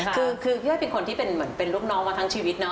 คือพี่อ้อยเป็นคนที่เป็นลูกน้องมาทั้งชีวิตนะ